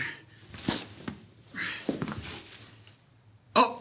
あっ！